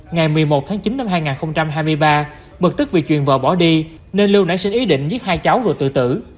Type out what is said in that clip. ngày một mươi một tháng chín năm hai nghìn hai mươi ba bực tức vì chuyện vợ bỏ bỏ đi nên lưu nảy sinh ý định giết hai cháu rồi tự tử